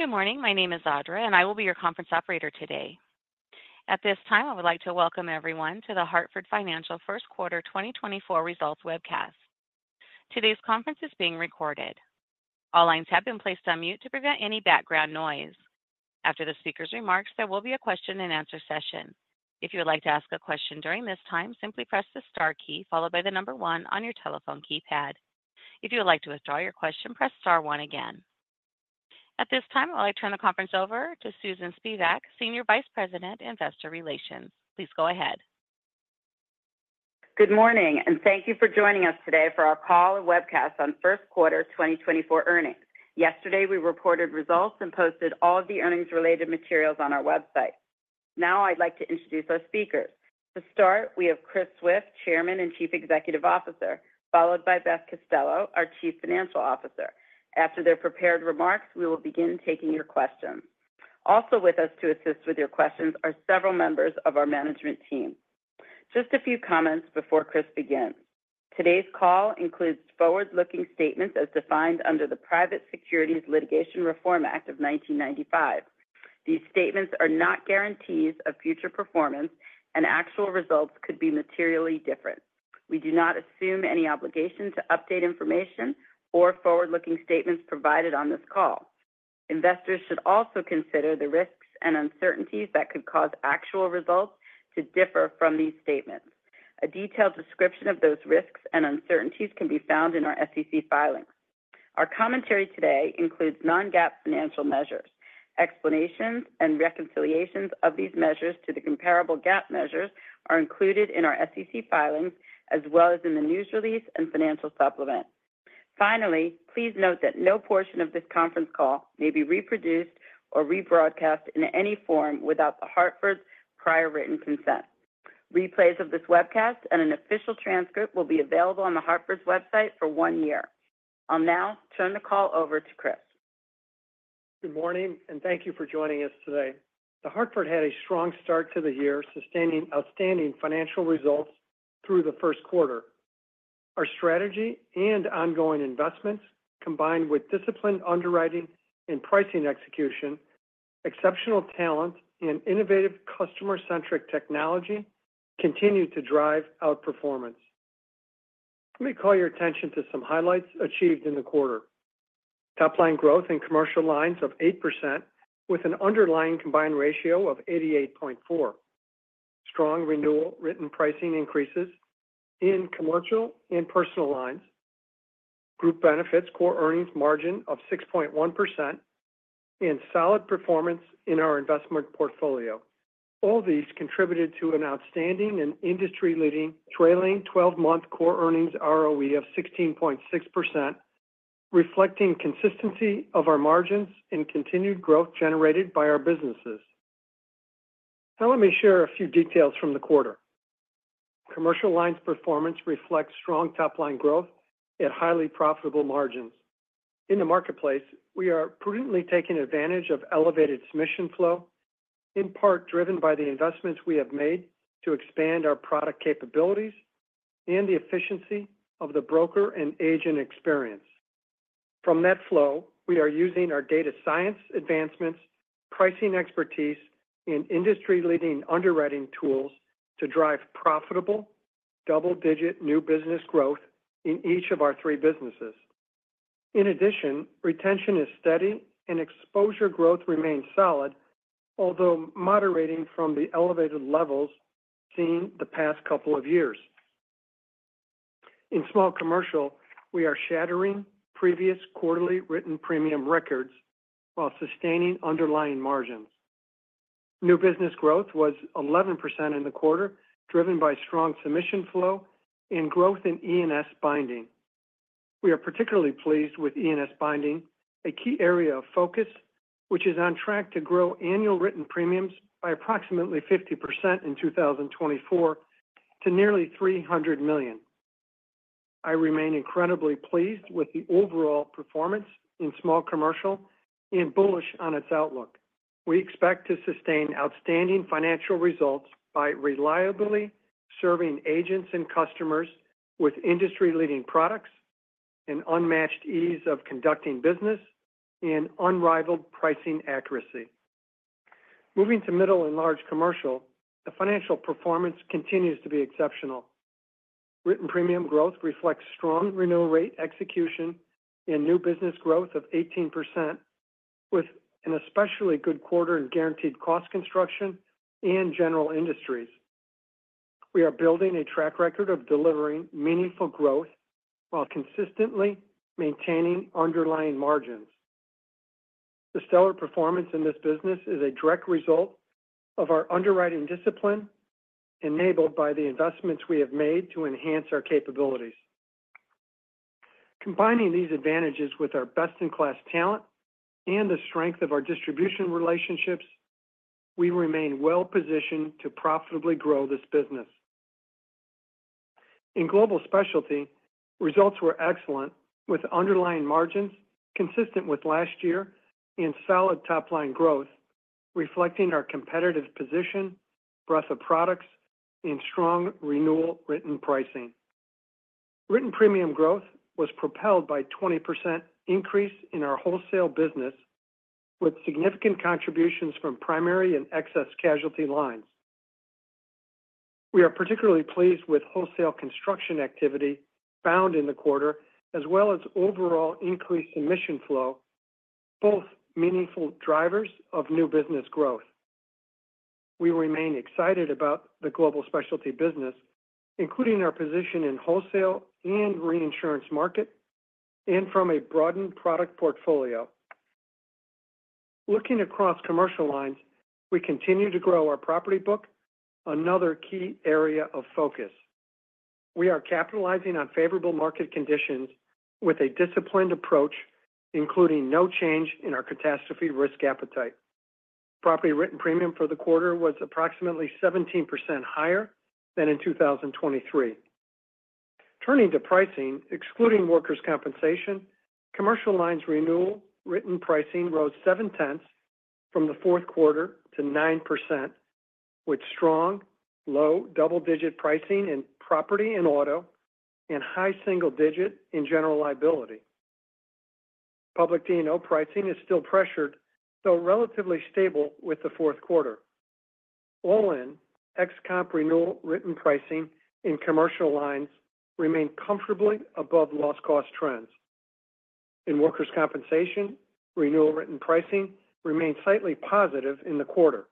Good morning. My name is Audra, and I will be your conference operator today. At this time, I would like to welcome everyone to The Hartford Financial first quarter 2024 results webcast. Today's conference is being recorded. All lines have been placed on mute to prevent any background noise. After the speaker's remarks, there will be a question-and-answer session. If you would like to ask a question during this time, simply press the star key followed by the number one on your telephone keypad. If you would like to withdraw your question, press star one again. At this time, I would like to turn the conference over to Susan Spivak, Senior Vice President, Investor Relations. Please go ahead. Good morning, and thank you for joining us today for our call and webcast on First Quarter 2024 earnings. Yesterday, we reported results and posted all of the earnings-related materials on our website. Now I'd like to introduce our speakers. To start, we have Chris Swift, Chairman and Chief Executive Officer, followed by Beth Costello, our Chief Financial Officer. After their prepared remarks, we will begin taking your questions. Also with us to assist with your questions are several members of our management team. Just a few comments before Chris begins. Today's call includes forward-looking statements as defined under the Private Securities Litigation Reform Act of 1995. These statements are not guarantees of future performance, and actual results could be materially different. We do not assume any obligation to update information or forward-looking statements provided on this call. Investors should also consider the risks and uncertainties that could cause actual results to differ from these statements. A detailed description of those risks and uncertainties can be found in our SEC filings. Our commentary today includes non-GAAP financial measures. Explanations and reconciliations of these measures to the comparable GAAP measures are included in our SEC filings as well as in the news release and financial supplement. Finally, please note that no portion of this conference call may be reproduced or rebroadcast in any form without The Hartford's prior written consent. Replays of this webcast and an official transcript will be available on The Hartford's website for one year. I'll now turn the call over to Chris. Good morning, and thank you for joining us today. The Hartford had a strong start to the year, sustaining outstanding financial results through the first quarter. Our strategy and ongoing investments, combined with disciplined underwriting and pricing execution, exceptional talent, and innovative customer-centric technology, continue to drive outperformance. Let me call your attention to some highlights achieved in the quarter. Top-line growth in commercial lines of 8% with an underlying combined ratio of 88.4. Strong renewal written pricing increases in commercial and personal lines. Group benefits core earnings margin of 6.1% and solid performance in our investment portfolio. All these contributed to an outstanding and industry-leading trailing 12-month core earnings ROE of 16.6%, reflecting consistency of our margins and continued growth generated by our businesses. Now let me share a few details from the quarter. Commercial lines performance reflects strong top-line growth at highly profitable margins. In the marketplace, we are prudently taking advantage of elevated submission flow, in part driven by the investments we have made to expand our product capabilities and the efficiency of the broker and agent experience. From that flow, we are using our data science advancements, pricing expertise, and industry-leading underwriting tools to drive profitable double-digit new business growth in each of our three businesses. In addition, retention is steady and exposure growth remains solid, although moderating from the elevated levels seen the past couple of years. In small commercial, we are shattering previous quarterly written premium records while sustaining underlying margins. New business growth was 11% in the quarter, driven by strong submission flow and growth in E&S binding. We are particularly pleased with E&S binding, a key area of focus which is on track to grow annual written premiums by approximately 50% in 2024 to nearly $300 million. I remain incredibly pleased with the overall performance in small commercial and bullish on its outlook. We expect to sustain outstanding financial results by reliably serving agents and customers with industry-leading products, an unmatched ease of conducting business, and unrivaled pricing accuracy. Moving to middle and large commercial, the financial performance continues to be exceptional. Written premium growth reflects strong renewal rate execution and new business growth of 18% with an especially good quarter in guaranteed cost construction and general industries. We are building a track record of delivering meaningful growth while consistently maintaining underlying margins. The stellar performance in this business is a direct result of our underwriting discipline enabled by the investments we have made to enhance our capabilities. Combining these advantages with our best-in-class talent and the strength of our distribution relationships, we remain well-positioned to profitably grow this business. In Global Specialty, results were excellent with underlying margins consistent with last year and solid top-line growth reflecting our competitive position, breadth of products, and strong renewal written pricing. Written premium growth was propelled by a 20% increase in our wholesale business with significant contributions from primary and excess casualty lines. We are particularly pleased with wholesale construction activity bound in the quarter as well as overall increased submission flow, both meaningful drivers of new business growth. We remain excited about the Global Specialty business, including our position in wholesale and reinsurance market and from a broadened product portfolio. Looking across commercial lines, we continue to grow our property book, another key area of focus. We are capitalizing on favorable market conditions with a disciplined approach, including no change in our catastrophe risk appetite. Property written premium for the quarter was approximately 17% higher than in 2023. Turning to pricing, excluding workers' compensation, commercial lines renewal written pricing rose 0.7% from the fourth quarter to 9% with strong low double-digit pricing in property and auto and high single-digit in general liability. Public D&O pricing is still pressured, though relatively stable with the fourth quarter. All-in, ex-comp renewal written pricing in commercial lines remained comfortably above loss-cost trends. In workers' compensation, renewal written pricing remained slightly positive in the quarter.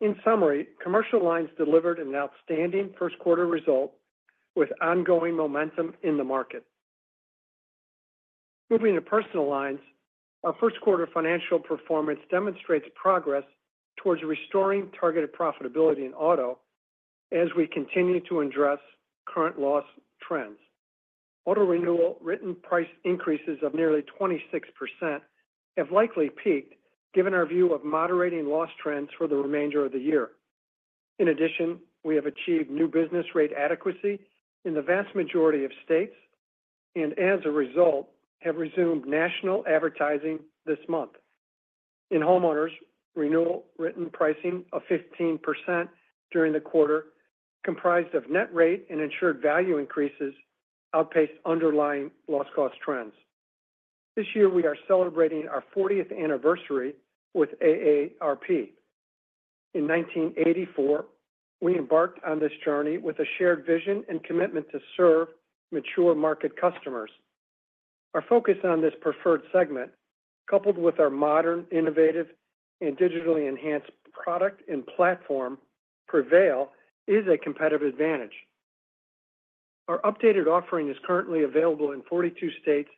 In summary, commercial lines delivered an outstanding first-quarter result with ongoing momentum in the market. Moving to personal lines, our first-quarter financial performance demonstrates progress towards restoring targeted profitability in auto as we continue to address current loss trends. Auto renewal written price increases of nearly 26% have likely peaked given our view of moderating loss trends for the remainder of the year. In addition, we have achieved new business rate adequacy in the vast majority of states and, as a result, have resumed national advertising this month. In homeowners, renewal written pricing of 15% during the quarter comprised of net rate and insured value increases outpaced underlying lost-cost trends. This year, we are celebrating our 40th anniversary with AARP. In 1984, we embarked on this journey with a shared vision and commitment to serve mature market customers. Our focus on this preferred segment, coupled with our modern, innovative, and digitally enhanced product and platform, Prevail, is a competitive advantage. Our updated offering is currently available in 42 states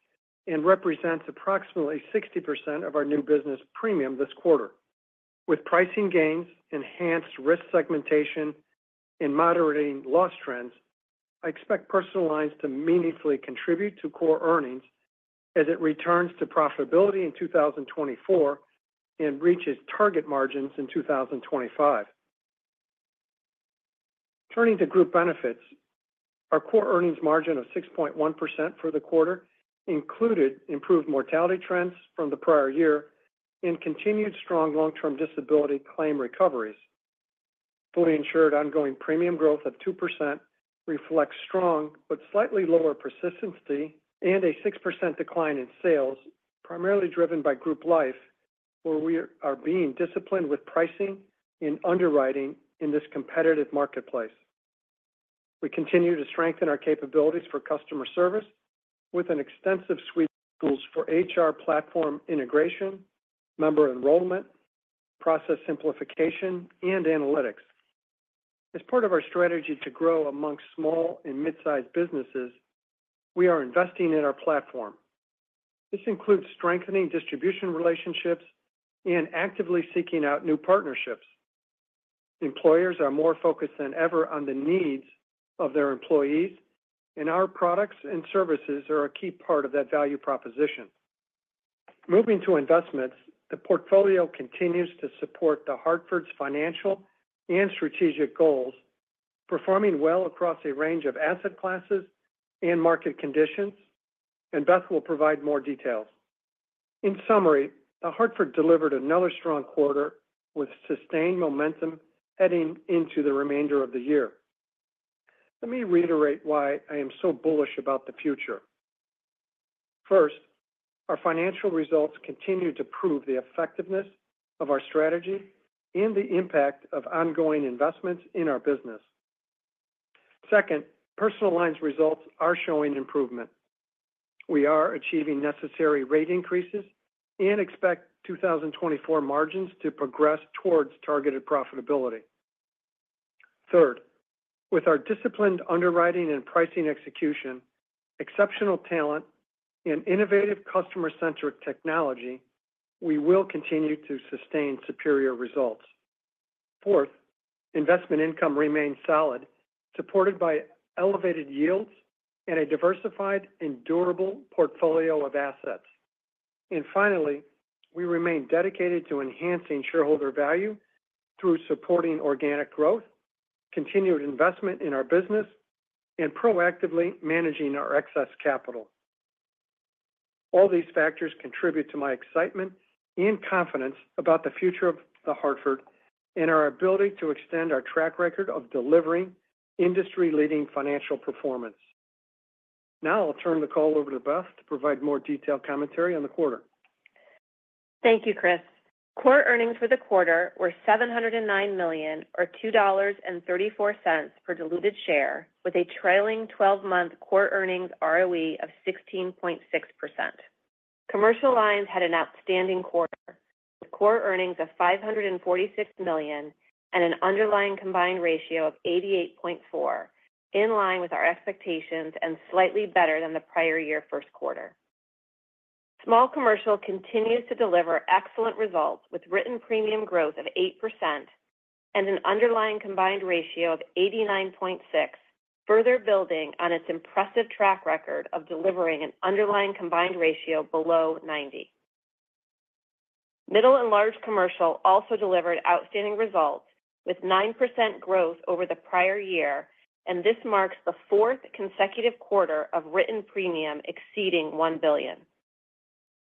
and represents approximately 60% of our new business premium this quarter. With pricing gains, enhanced risk segmentation, and moderating loss trends, I expect personal lines to meaningfully contribute to core earnings as it returns to profitability in 2024 and reaches target margins in 2025. Turning to group benefits, our core earnings margin of 6.1% for the quarter included improved mortality trends from the prior year and continued strong long-term disability claim recoveries. Fully insured ongoing premium growth of 2% reflects strong but slightly lower persistency and a 6% decline in sales, primarily driven by group life, where we are being disciplined with pricing and underwriting in this competitive marketplace. We continue to strengthen our capabilities for customer service with an extensive suite of tools for HR platform integration, member enrollment, process simplification, and analytics. As part of our strategy to grow among small and midsize businesses, we are investing in our platform. This includes strengthening distribution relationships and actively seeking out new partnerships. Employers are more focused than ever on the needs of their employees, and our products and services are a key part of that value proposition. Moving to investments, the portfolio continues to support The Hartford's financial and strategic goals, performing well across a range of asset classes and market conditions, and Beth will provide more details. In summary, The Hartford delivered another strong quarter with sustained momentum heading into the remainder of the year. Let me reiterate why I am so bullish about the future. First, our financial results continue to prove the effectiveness of our strategy and the impact of ongoing investments in our business. Second, personal lines results are showing improvement. We are achieving necessary rate increases and expect 2024 margins to progress towards targeted profitability. Third, with our disciplined underwriting and pricing execution, exceptional talent, and innovative customer-centric technology, we will continue to sustain superior results. Fourth, investment income remains solid, supported by elevated yields and a diversified and durable portfolio of assets. Finally, we remain dedicated to enhancing shareholder value through supporting organic growth, continued investment in our business, and proactively managing our excess capital. All these factors contribute to my excitement and confidence about the future of The Hartford and our ability to extend our track record of delivering industry-leading financial performance. Now I'll turn the call over to Beth to provide more detailed commentary on the quarter. Thank you, Chris. Core earnings for the quarter were $709 million or $2.34 per diluted share, with a trailing 12-month core earnings ROE of 16.6%. Commercial lines had an outstanding quarter, with core earnings of $546 million and an underlying combined ratio of 88.4, in line with our expectations and slightly better than the prior year first quarter. Small commercial continues to deliver excellent results with written premium growth of 8% and an underlying combined ratio of 89.6, further building on its impressive track record of delivering an underlying combined ratio below 90. Middle and large commercial also delivered outstanding results with 9% growth over the prior year, and this marks the fourth consecutive quarter of written premium exceeding $1 billion.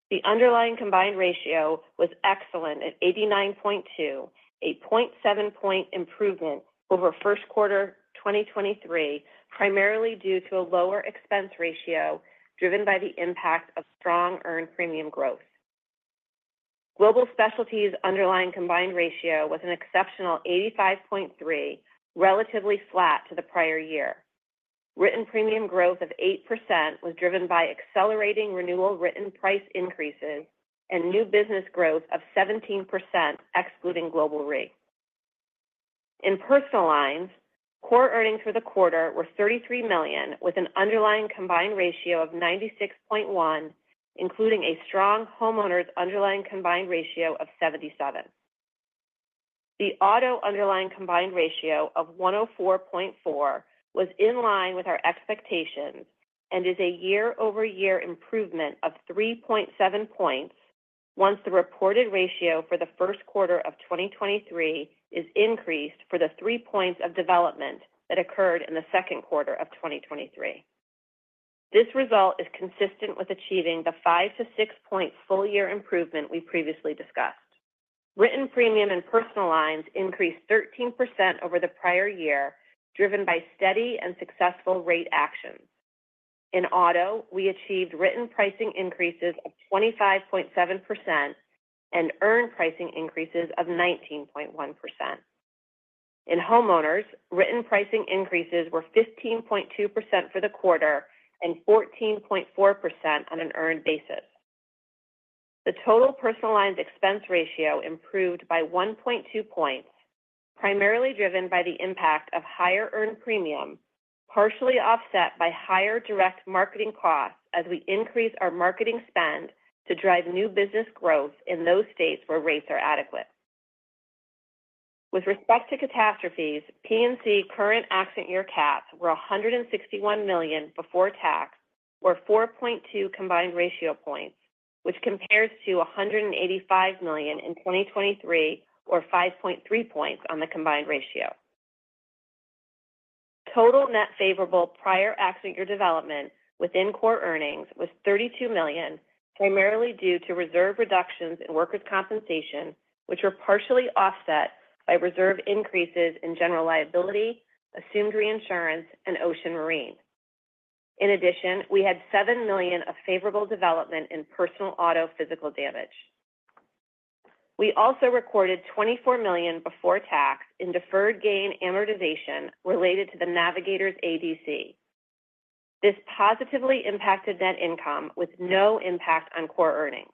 The underlying combined ratio was excellent at 89.2, a 0.7-point improvement over first quarter 2023, primarily due to a lower expense ratio driven by the impact of strong earned premium growth. Global Specialty's underlying combined ratio was an exceptional 85.3, relatively flat to the prior year. Written premium growth of 8% was driven by accelerating renewal written price increases and new business growth of 17%, excluding Global Re. In personal lines, core earnings for the quarter were $33 million, with an underlying combined ratio of 96.1, including a strong homeowners underlying combined ratio of 77. The auto underlying combined ratio of 104.4 was in line with our expectations and is a year-over-year improvement of 3.7 points once the reported ratio for the first quarter of 2023 is increased for the three points of development that occurred in the second quarter of 2023. This result is consistent with achieving the 5-6-point full-year improvement we previously discussed. Written premium and personal lines increased 13% over the prior year, driven by steady and successful rate actions. In auto, we achieved written pricing increases of 25.7% and earned pricing increases of 19.1%. In homeowners, written pricing increases were 15.2% for the quarter and 14.4% on an earned basis. The total personal lines expense ratio improved by 1.2 points, primarily driven by the impact of higher earned premium, partially offset by higher direct marketing costs as we increase our marketing spend to drive new business growth in those states where rates are adequate. With respect to catastrophes, P&C current accident year CATs were $161 million before tax, or 4.2 combined ratio points, which compares to $185 million in 2023, or 5.3 points on the combined ratio. Total net favorable prior accident year development within core earnings was $32 million, primarily due to reserve reductions in workers' compensation, which were partially offset by reserve increases in general liability, assumed reinsurance, and ocean marine. In addition, we had $7 million of favorable development in personal auto physical damage. We also recorded $24 million before tax in deferred gain amortization related to the Navigators' ADC. This positively impacted net income with no impact on core earnings.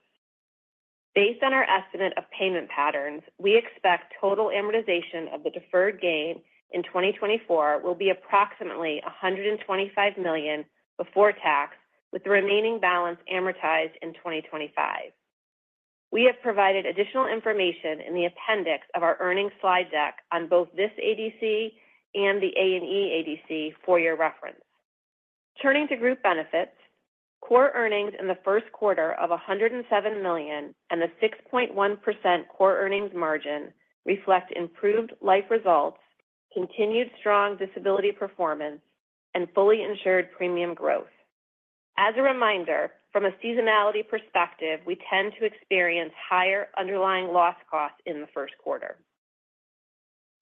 Based on our estimate of payment patterns, we expect total amortization of the deferred gain in 2024 will be approximately $125 million before tax, with the remaining balance amortized in 2025. We have provided additional information in the appendix of our earnings slide deck on both this ADC and the A&E ADC for your reference. Turning to group benefits, core earnings in the first quarter of $107 million and the 6.1% core earnings margin reflect improved life results, continued strong disability performance, and fully insured premium growth. As a reminder, from a seasonality perspective, we tend to experience higher underlying loss costs in the first quarter.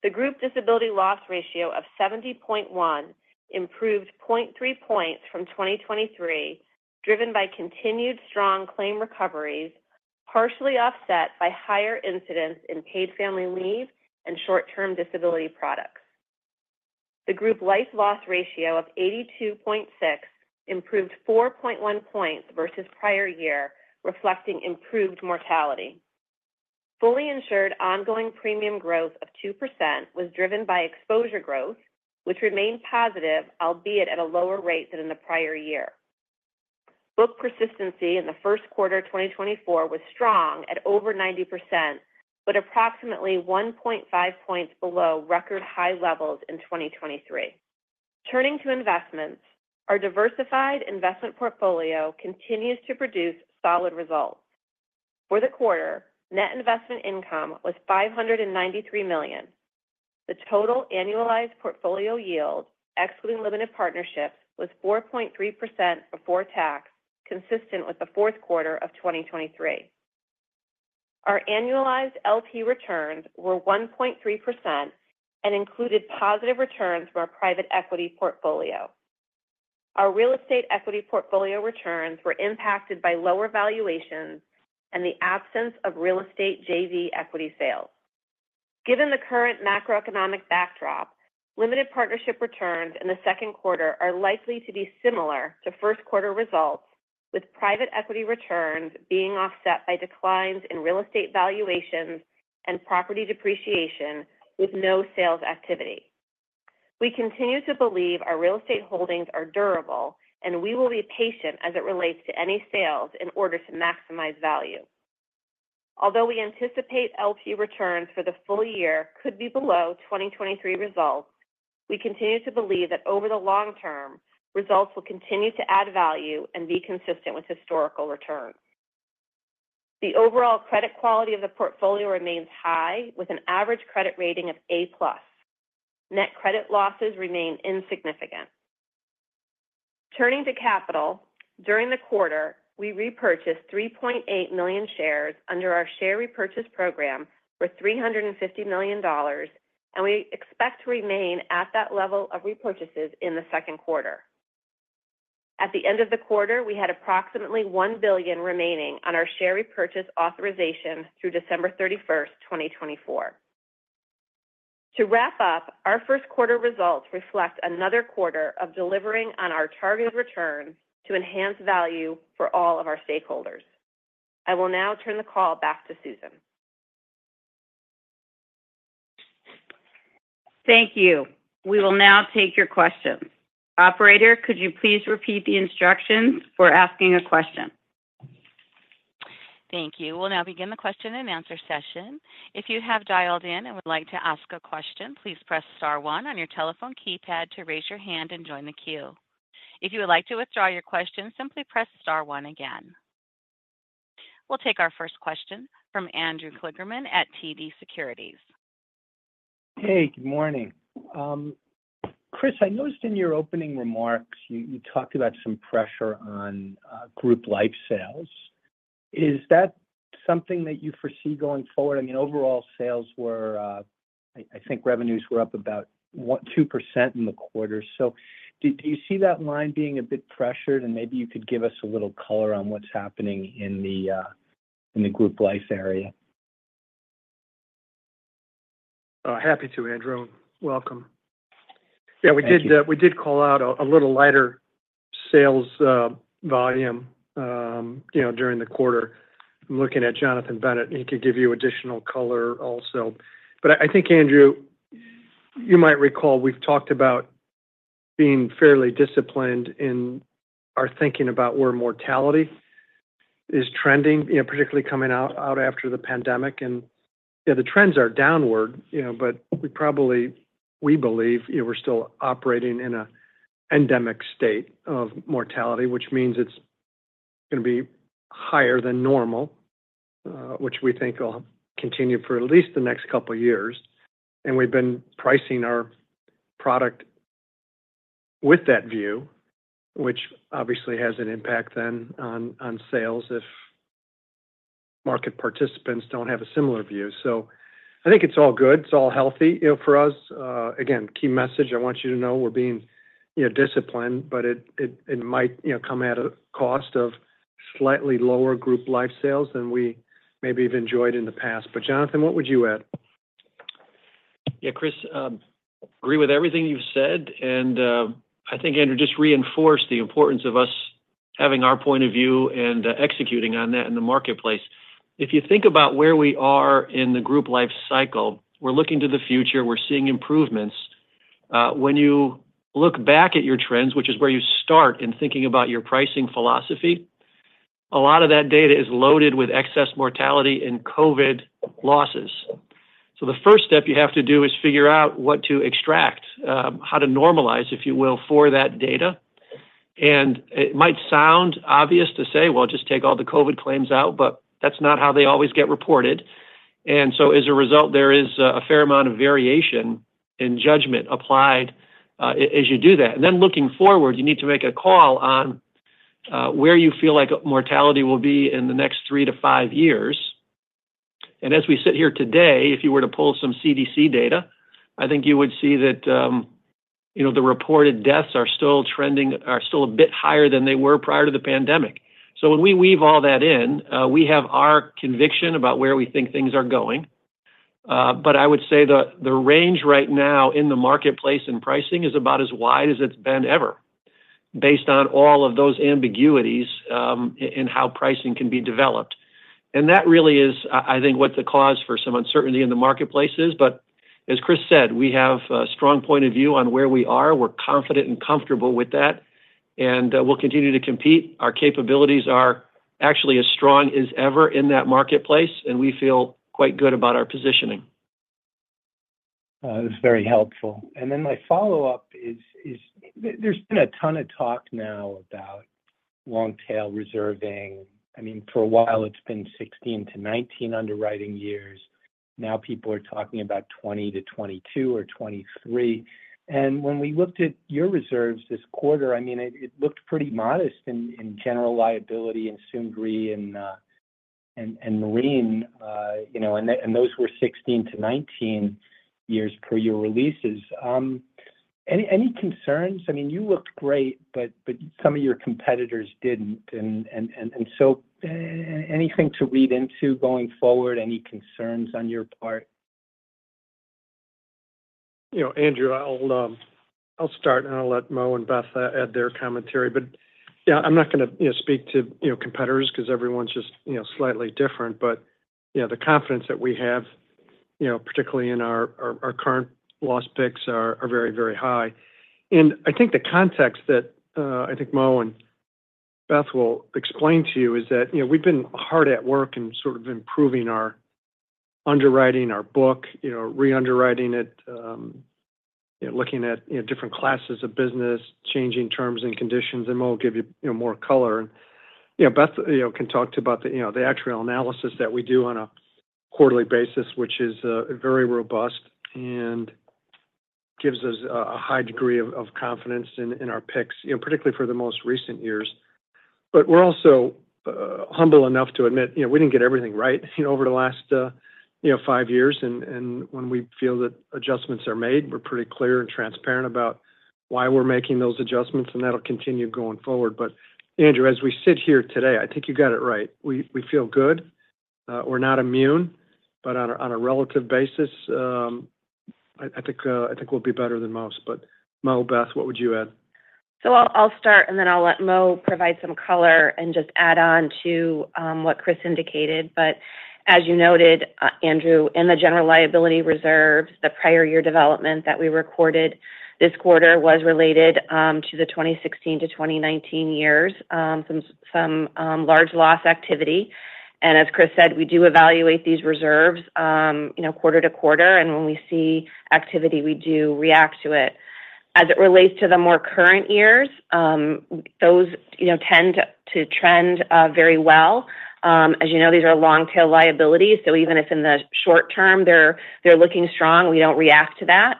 The group disability loss ratio of 70.1% improved 0.3 points from 2023, driven by continued strong claim recoveries, partially offset by higher incidence in paid family leave and short-term disability products. The group life loss ratio of 82.6% improved 4.1 points versus prior year, reflecting improved mortality. Fully insured ongoing premium growth of 2% was driven by exposure growth, which remained positive, albeit at a lower rate than in the prior year. Book persistency in the first quarter 2024 was strong at over 90%, but approximately 1.5 points below record high levels in 2023. Turning to investments, our diversified investment portfolio continues to produce solid results. For the quarter, net investment income was $593 million. The total annualized portfolio yield, excluding limited partnerships, was 4.3% before tax, consistent with the fourth quarter of 2023. Our annualized LP returns were 1.3% and included positive returns from our private equity portfolio. Our real estate equity portfolio returns were impacted by lower valuations and the absence of real estate JV equity sales. Given the current macroeconomic backdrop, limited partnership returns in the second quarter are likely to be similar to first quarter results, with private equity returns being offset by declines in real estate valuations and property depreciation with no sales activity. We continue to believe our real estate holdings are durable, and we will be patient as it relates to any sales in order to maximize value. Although we anticipate LP returns for the full year could be below 2023 results, we continue to believe that over the long term, results will continue to add value and be consistent with historical returns. The overall credit quality of the portfolio remains high, with an average credit rating of A-plus. Net credit losses remain insignificant. Turning to capital, during the quarter, we repurchased 3.8 million shares under our share repurchase program for $350 million, and we expect to remain at that level of repurchases in the second quarter. At the end of the quarter, we had approximately $1 billion remaining on our share repurchase authorization through December 31st, 2024. To wrap up, our first quarter results reflect another quarter of delivering on our targeted return to enhance value for all of our stakeholders. I will now turn the call back to Susan. Thank you. We will now take your questions. Operator, could you please repeat the instructions for asking a question? Thank you. We'll now begin the question and answer session. If you have dialed in and would like to ask a question, please press star one on your telephone keypad to raise your hand and join the queue. If you would like to withdraw your question, simply press star one again. We'll take our first question from Andrew Kligerman at TD Securities. Hey, good morning. Chris, I noticed in your opening remarks, you talked about some pressure on group life sales. Is that something that you foresee going forward? I mean, overall sales were, I think revenues were up about 2% in the quarter. So do you see that line being a bit pressured, and maybe you could give us a little color on what's happening in the group life area? Happy to, Andrew, welcome. Yeah, we did call out a little lighter sales volume during the quarter. I'm looking at Jonathan Bennett. He could give you additional color also. But I think, Andrew, you might recall we've talked about being fairly disciplined in our thinking about where mortality is trending, particularly coming out after the pandemic. And yeah, the trends are downward, but we believe we're still operating in an endemic state of mortality, which means it's going to be higher than normal, which we think will continue for at least the next couple of years. And we've been pricing our product with that view, which obviously has an impact then on sales if market participants don't have a similar view. So I think it's all good. It's all healthy for us. Again, key message, I want you to know we're being disciplined, but it might come at a cost of slightly lower group life sales than we maybe even enjoyed in the past. But Jonathan, what would you add? Yeah, Chris, agree with everything you've said. And I think, Andrew, just reinforced the importance of us having our point of view and executing on that in the marketplace. If you think about where we are in the group life cycle, we're looking to the future. We're seeing improvements. When you look back at your trends, which is where you start in thinking about your pricing philosophy, a lot of that data is loaded with excess mortality and COVID losses. So the first step you have to do is figure out what to extract, how to normalize, if you will, for that data. And it might sound obvious to say, "Well, just take all the COVID claims out," but that's not how they always get reported. And so as a result, there is a fair amount of variation in judgment applied as you do that. Then looking forward, you need to make a call on where you feel like mortality will be in the next 3-5 years. As we sit here today, if you were to pull some CDC data, I think you would see that the reported deaths are still trending, are still a bit higher than they were prior to the pandemic. So when we weave all that in, we have our conviction about where we think things are going. But I would say the range right now in the marketplace and pricing is about as wide as it's been ever based on all of those ambiguities in how pricing can be developed. That really is, I think, what the cause for some uncertainty in the marketplace is. But as Chris said, we have a strong point of view on where we are. We're confident and comfortable with that, and we'll continue to compete. Our capabilities are actually as strong as ever in that marketplace, and we feel quite good about our positioning. That's very helpful. And then my follow-up is, there's been a ton of talk now about long-tail reserving. I mean, for a while, it's been 16-19 underwriting years. Now people are talking about 20-22 or 23. And when we looked at your reserves this quarter, I mean, it looked pretty modest in general liability and assumed Re and marine, and those were 16-19 years per year releases. Any concerns? I mean, you looked great, but some of your competitors didn't. And so anything to read into going forward, any concerns on your part? Andrew, I'll start and I'll let Mo and Beth add their commentary. But yeah, I'm not going to speak to competitors because everyone's just slightly different. But the confidence that we have, particularly in our current loss picks, are very, very high. And I think the context that I think Mo and Beth will explain to you is that we've been hard at work in sort of improving our underwriting, our book, re-underwriting it, looking at different classes of business, changing terms and conditions, and Mo will give you more color. And Beth can talk to about the actual analysis that we do on a quarterly basis, which is very robust and gives us a high degree of confidence in our picks, particularly for the most recent years. But we're also humble enough to admit we didn't get everything right over the last five years. When we feel that adjustments are made, we're pretty clear and transparent about why we're making those adjustments, and that'll continue going forward. But Andrew, as we sit here today, I think you got it right. We feel good. We're not immune, but on a relative basis, I think we'll be better than most. But Mo, Beth, what would you add? So I'll start, and then I'll let Mo provide some color and just add on to what Chris indicated. But as you noted, Andrew, in the general liability reserves, the prior year development that we recorded this quarter was related to the 2016-2019 years, some large loss activity. And as Chris said, we do evaluate these reserves quarter to quarter, and when we see activity, we do react to it. As it relates to the more current years, those tend to trend very well. As you know, these are long-tail liabilities. So even if in the short term they're looking strong, we don't react to that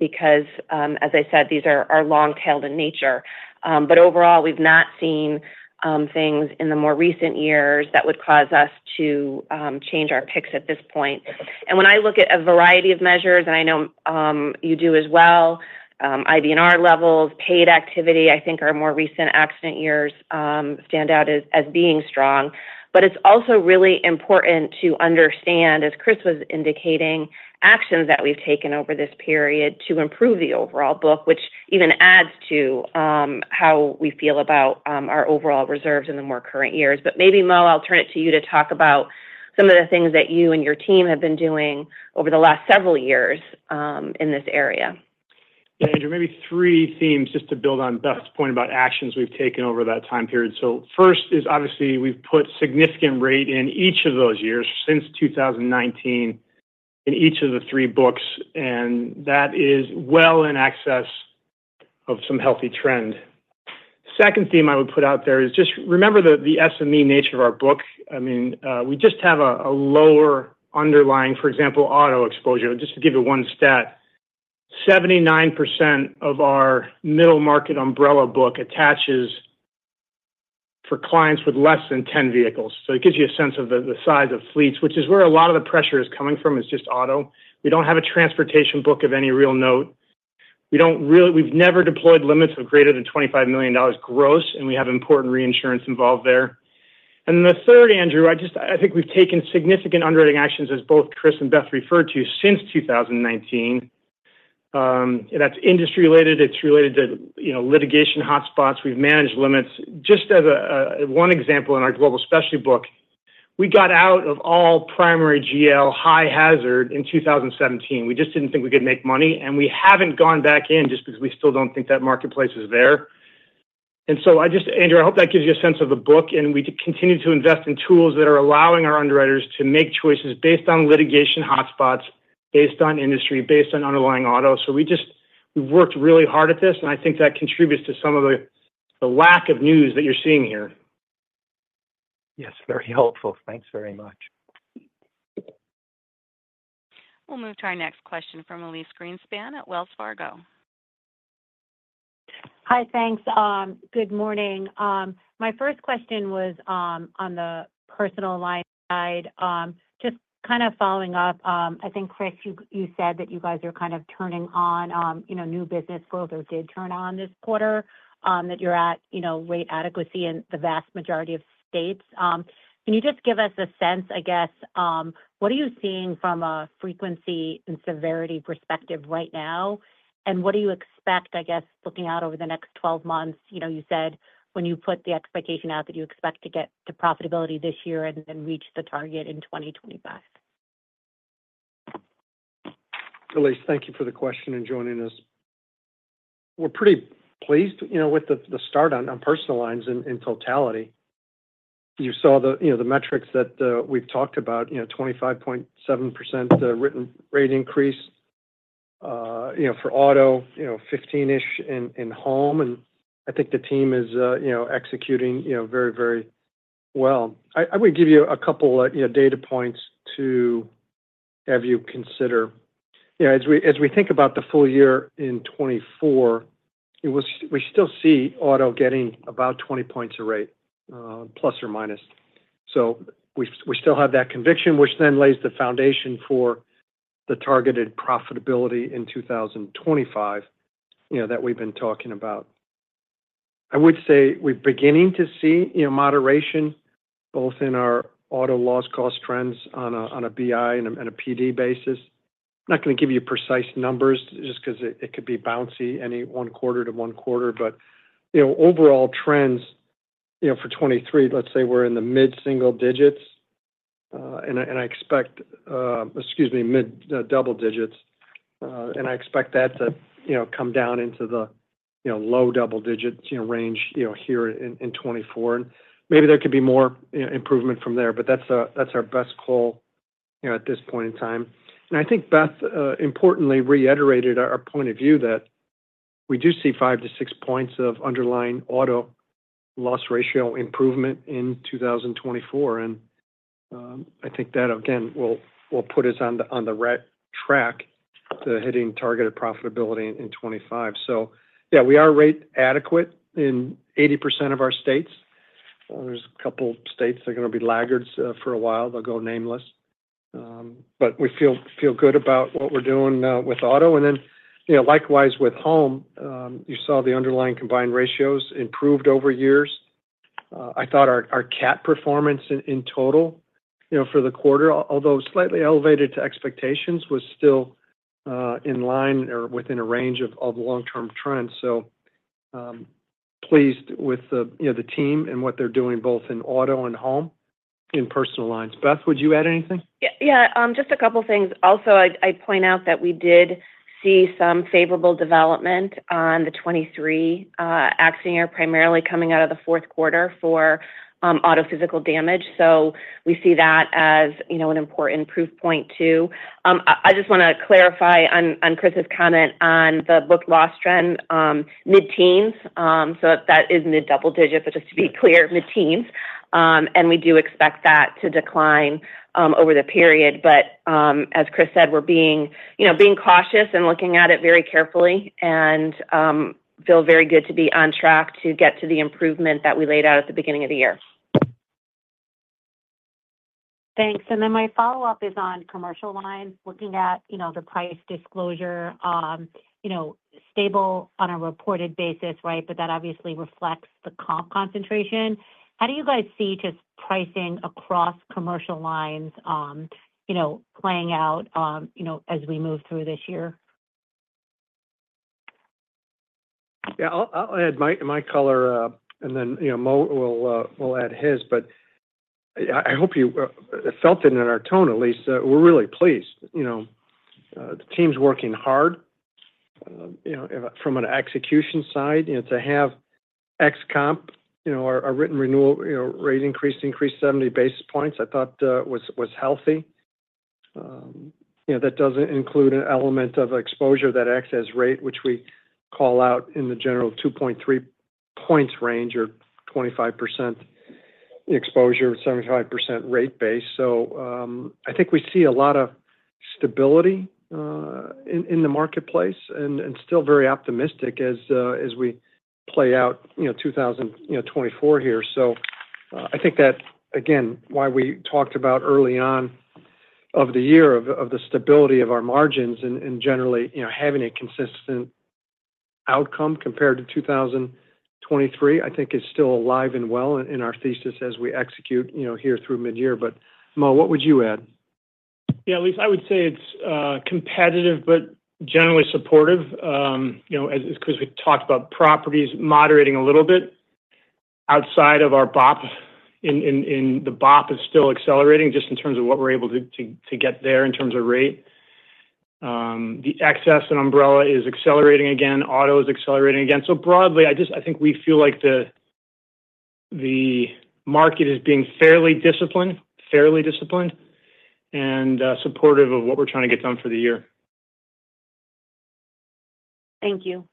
because, as I said, these are long-tailed in nature. But overall, we've not seen things in the more recent years that would cause us to change our picks at this point. When I look at a variety of measures, and I know you do as well, IBNR levels, paid activity, I think our more recent accident years stand out as being strong. It's also really important to understand, as Chris was indicating, actions that we've taken over this period to improve the overall book, which even adds to how we feel about our overall reserves in the more current years. Maybe, Mo, I'll turn it to you to talk about some of the things that you and your team have been doing over the last several years in this area. Yeah, Andrew, maybe three themes just to build on Beth's point about actions we've taken over that time period. So first is, obviously, we've put significant rate in each of those years since 2019 in each of the three books, and that is well in excess of some healthy trend. Second theme I would put out there is just remember the SME nature of our book. I mean, we just have a lower underlying, for example, auto exposure. Just to give you one stat, 79% of our middle market umbrella book attaches for clients with less than 10 vehicles. So it gives you a sense of the size of fleets, which is where a lot of the pressure is coming from, is just auto. We don't have a transportation book of any real note. We've never deployed limits of greater than $25 million gross, and we have important reinsurance involved there. And then the third, Andrew, I think we've taken significant underwriting actions, as both Chris and Beth referred to, since 2019. That's industry-related. It's related to litigation hotspots. We've managed limits. Just as one example in our Global Specialty book, we got out of all primary GL high hazard in 2017. We just didn't think we could make money, and we haven't gone back in just because we still don't think that marketplace is there. And so, Andrew, I hope that gives you a sense of the book. And we continue to invest in tools that are allowing our underwriters to make choices based on litigation hotspots, based on industry, based on underlying auto. We've worked really hard at this, and I think that contributes to some of the lack of news that you're seeing here. Yes, very helpful. Thanks very much. We'll move to our next question from Elyse Greenspan at Wells Fargo. Hi, thanks. Good morning. My first question was on the personal line side. Just kind of following up, I think, Chris, you said that you guys are kind of turning on new business growth or did turn on this quarter, that you're at rate adequacy in the vast majority of states. Can you just give us a sense, I guess, what are you seeing from a frequency and severity perspective right now? And what do you expect, I guess, looking out over the next 12 months? You said when you put the expectation out that you expect to get to profitability this year and then reach the target in 2025. Elyse, thank you for the question and joining us. We're pretty pleased with the start on personal lines in totality. You saw the metrics that we've talked about, 25.7% written rate increase for auto, 15-ish in home. And I think the team is executing very, very well. I would give you a couple of data points to have you consider. As we think about the full year in 2024, we still see auto getting about 20 points of rate, plus or minus. So we still have that conviction, which then lays the foundation for the targeted profitability in 2025 that we've been talking about. I would say we're beginning to see moderation both in our auto loss cost trends on a BI and a PD basis. I'm not going to give you precise numbers just because it could be bouncy any one quarter to one quarter. But overall trends for 2023, let's say we're in the mid-single digits, and I expect—excuse me—mid-double digits. I expect that to come down into the low double digits range here in 2024. And maybe there could be more improvement from there, but that's our best call at this point in time. I think Beth importantly reiterated our point of view that we do see 5-6 points of underlying auto loss ratio improvement in 2024. And I think that, again, will put us on the right track to hitting targeted profitability in 2025. So yeah, we are rate adequate in 80% of our states. There's a couple of states that are going to be laggards for a while. They'll go nameless. But we feel good about what we're doing with auto. And then likewise with home, you saw the underlying combined ratios improved over years. I thought our CAT performance in total for the quarter, although slightly elevated to expectations, was still in line or within a range of long-term trends. So pleased with the team and what they're doing both in auto and home in personal lines. Beth, would you add anything? Yeah, just a couple of things. Also, I'd point out that we did see some favorable development on the 2023 accident year, primarily coming out of the fourth quarter for auto physical damage. So we see that as an important proof point too. I just want to clarify on Chris's comment on the book loss trend, mid-teens. So that is mid-double digit, but just to be clear, mid-teens. And we do expect that to decline over the period. But as Chris said, we're being cautious and looking at it very carefully and feel very good to be on track to get to the improvement that we laid out at the beginning of the year. Thanks. And then my follow-up is on commercial lines, looking at the price disclosure, stable on a reported basis, right? But that obviously reflects the comp concentration. How do you guys see just pricing across commercial lines playing out as we move through this year? Yeah, I'll add my color, and then Mo will add his. But I hope you felt it in our tone, Elyse. We're really pleased. The team's working hard. From an execution side, to have X comp, our written renewal rate increase, increase 70 basis points, I thought was healthy. That doesn't include an element of exposure that acts as rate, which we call out in the general 2.3 points range or 25% exposure, 75% rate base. So I think we see a lot of stability in the marketplace and still very optimistic as we play out 2024 here. So I think that, again, why we talked about early on of the year of the stability of our margins and generally having a consistent outcome compared to 2023, I think is still alive and well in our thesis as we execute here through mid-year. But Mo, what would you add? Yeah, Elyse, I would say it's competitive but generally supportive because we talked about properties moderating a little bit outside of our BOP. The BOP is still accelerating just in terms of what we're able to get there in terms of rate. The excess and umbrella is accelerating again. Auto is accelerating again. So broadly, I think we feel like the market is being fairly disciplined, fairly disciplined, and supportive of what we're trying to get done for the year. Thank you.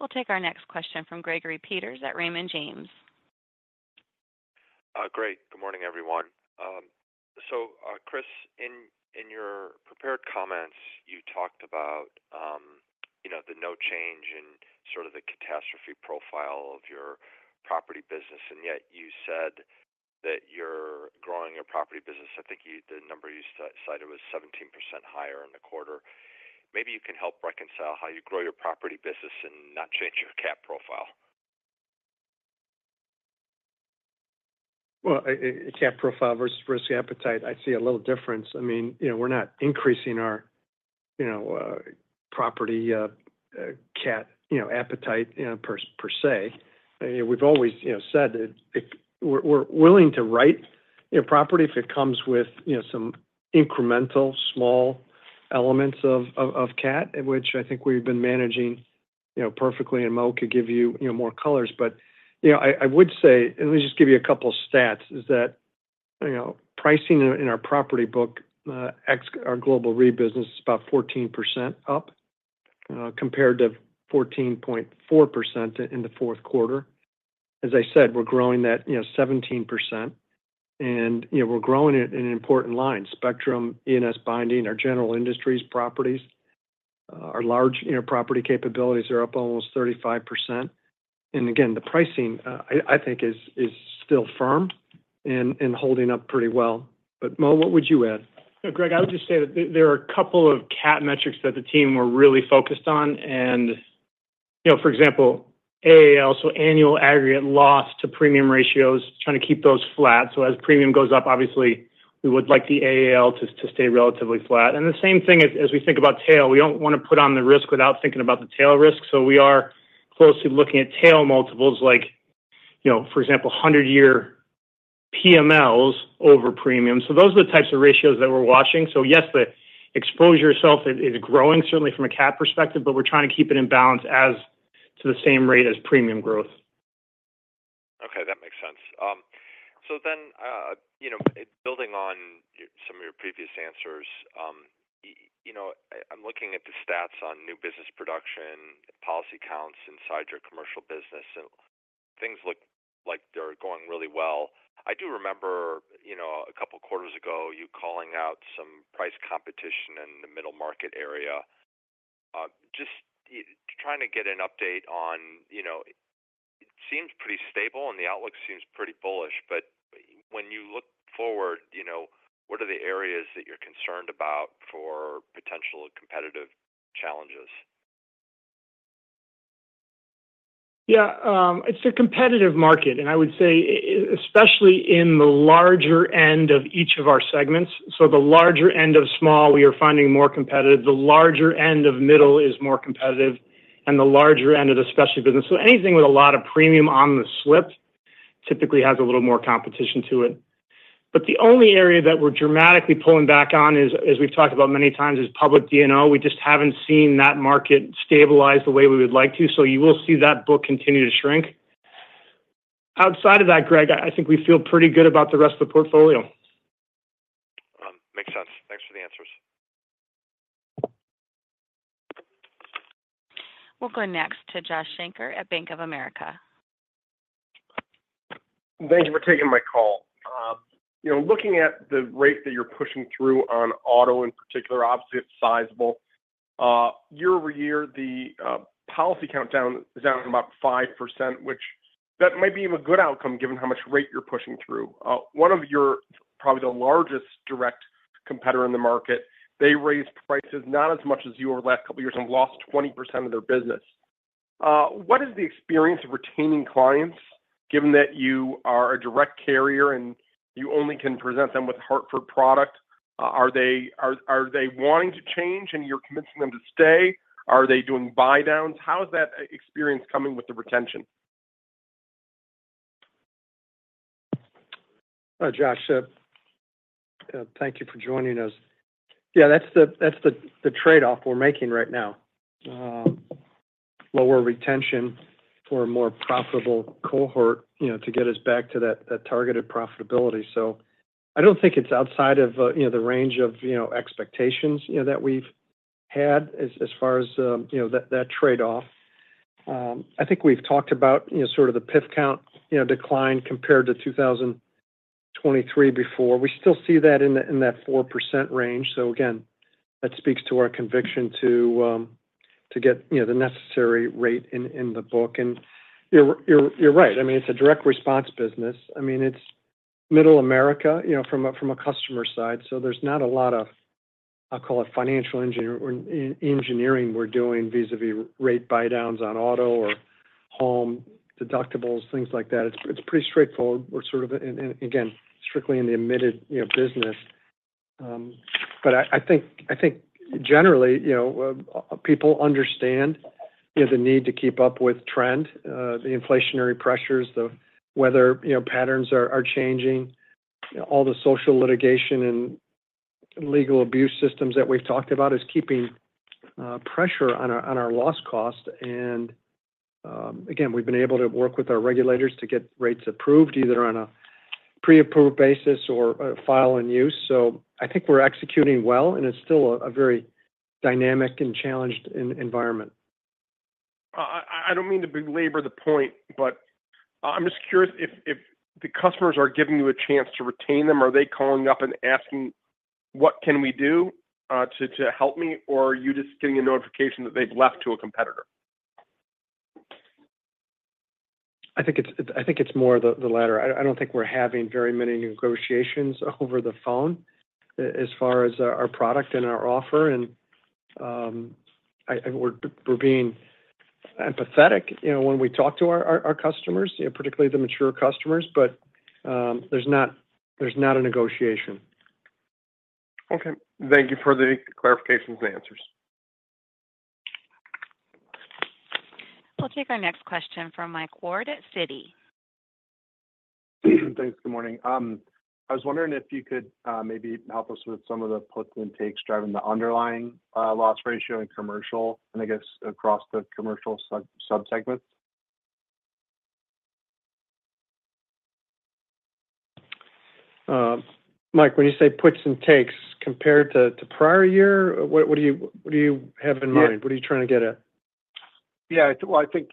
We'll take our next question from Gregory Peters at Raymond James. Great. Good morning, everyone. So Chris, in your prepared comments, you talked about the no change in sort of the catastrophe profile of your property business. And yet you said that you're growing your property business. I think the number you cited was 17% higher in the quarter. Maybe you can help reconcile how you grow your property business and not change your CAT profile. Well, CAT profile versus risk appetite, I see a little difference. I mean, we're not increasing our property CAT appetite per se. We've always said we're willing to write property if it comes with some incremental small elements of CAT, which I think we've been managing perfectly, and Mo could give you more colors. But I would say, and let me just give you a couple of stats, is that pricing in our property book, our Global Re business is about 14% up compared to 14.4% in the fourth quarter. As I said, we're growing that 17%. And we're growing it in important lines, Spectrum, E&S binding, our general industries, properties. Our large property capabilities are up almost 35%. And again, the pricing, I think, is still firm and holding up pretty well. But Mo, what would you add? Yeah, Greg, I would just say that there are a couple of CAT metrics that the team were really focused on. And for example, AAL, so annual aggregate loss to premium ratios, trying to keep those flat. So as premium goes up, obviously, we would like the AAL to stay relatively flat. And the same thing as we think about tail. We don't want to put on the risk without thinking about the tail risk. So we are closely looking at tail multiples like, for example, 100-year PMLs over premium. So those are the types of ratios that we're watching. So yes, the exposure itself is growing, certainly from a CAT perspective, but we're trying to keep it in balance to the same rate as premium growth. Okay, that makes sense. So then building on some of your previous answers, I'm looking at the stats on new business production, policy counts inside your commercial business. And things look like they're going really well. I do remember a couple of quarters ago you calling out some price competition in the middle market area. Just trying to get an update on it seems pretty stable, and the outlook seems pretty bullish. But when you look forward, what are the areas that you're concerned about for potential competitive challenges? Yeah, it's a competitive market. And I would say especially in the larger end of each of our segments, so the larger end of small, we are finding more competitive. The larger end of middle is more competitive. And the larger end of the specialty business, so anything with a lot of premium on the slip typically has a little more competition to it. But the only area that we're dramatically pulling back on, as we've talked about many times, is public D&O. We just haven't seen that market stabilize the way we would like to. So you will see that book continue to shrink. Outside of that, Greg, I think we feel pretty good about the rest of the portfolio. Makes sense. Thanks for the answers. We'll go next to Josh Shanker at Bank of America. Thank you for taking my call. Looking at the rate that you're pushing through on auto in particular, obviously, it's sizable. Year-over-year, the policy count is down about 5%, which might be a good outcome given how much rate you're pushing through. One of your probably the largest direct competitor in the market, they raised prices not as much as you over the last couple of years and lost 20% of their business. What is the experience of retaining clients given that you are a direct carrier and you only can present them with Hartford product? Are they wanting to change, and you're convincing them to stay? Are they doing buy-downs? How is that experience coming with the retention? Hi, Josh. Thank you for joining us. Yeah, that's the trade-off we're making right now, lower retention for a more profitable cohort to get us back to that targeted profitability. So I don't think it's outside of the range of expectations that we've had as far as that trade-off. I think we've talked about sort of the PIF count decline compared to 2023 before. We still see that in that 4% range. So again, that speaks to our conviction to get the necessary rate in the book. And you're right. I mean, it's a direct response business. I mean, it's Middle America from a customer side. So there's not a lot of, I'll call it, financial engineering we're doing vis-à-vis rate buy-downs on auto or home deductibles, things like that. It's pretty straightforward. We're sort of, again, strictly in the admitted business. But I think generally, people understand the need to keep up with trend, the inflationary pressures, the weather patterns are changing. All the social litigation and legal abuse systems that we've talked about is keeping pressure on our loss cost. And again, we've been able to work with our regulators to get rates approved either on a pre-approved basis or file and use. So I think we're executing well, and it's still a very dynamic and challenged environment. I don't mean to belabor the point, but I'm just curious if the customers are giving you a chance to retain them, are they calling up and asking, "What can we do to help me?" Or are you just getting a notification that they've left to a competitor? I think it's more the latter. I don't think we're having very many negotiations over the phone as far as our product and our offer. We're being empathetic when we talk to our customers, particularly the mature customers, but there's not a negotiation. Okay. Thank you for the clarifications and answers. We'll take our next question from Mike Ward at Citi. Thanks. Good morning. I was wondering if you could maybe help us with some of the puts and takes driving the underlying loss ratio in commercial, and I guess across the commercial subsegments? Mike, when you say puts and takes compared to prior year, what do you have in mind? What are you trying to get at? Yeah. Well, I think